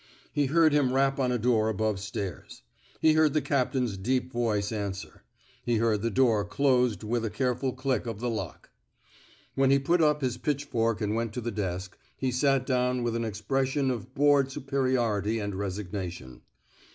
He heard him rap on a door above stairs. He heard the captain's deep voice answer. He heard the door closed with a careful click of the lock. When he put up his pitchfork and went to the desk, he sat down with an expression of bored superiority and resignation.